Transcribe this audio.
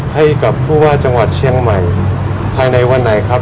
ให้กับผู้ว่าจังหวัดเชียงใหม่ภายในวันไหนครับ